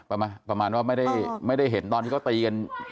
ประมาณประมาณว่าไม่ได้เห็นตอนที่เขาตีกัน